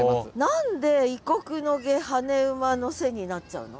何で「異国の夏跳ね馬の背」になっちゃうの？